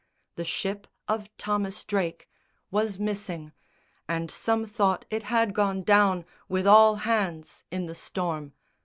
The ship of Thomas Drake Was missing; and some thought it had gone down With all hands in the storm.